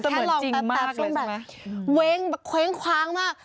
มันจะเหมือนจริงมากเลยใช่ไหมมันแค่ลองแป๊บส่วนแบบเว้งแบบเคว้งคว้างมาก